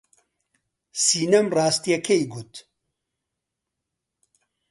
سینەم ڕاستییەکەی گوت.